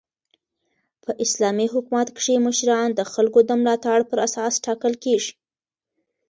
په اسلامي حکومت کښي مشران د خلکو د ملاتړ پر اساس ټاکل کیږي.